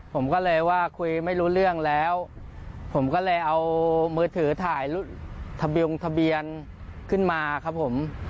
ผมก็เลยว่าคุยไม่รู้เรื่องแล้วผมก็เลยเอามือถือถ่ายทะบงทะเบียนขึ้นมาครับผม